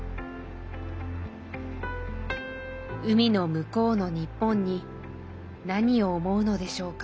海の向こうの日本に何を思うのでしょうか。